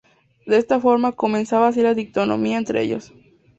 De esta forma, comenzaba así la dicotomía entre ellos.